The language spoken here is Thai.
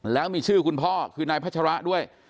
แล้วมีชื่อคุณพ่อคือนายพัชระด้วย